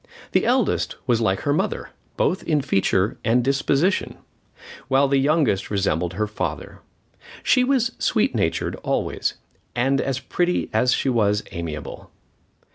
The eldest was like her mother, both in feature and disposition, while the youngest resembled her father. She was sweet natured always, and as pretty as she was amiable.